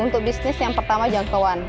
untuk bisnis yang pertama jangkauan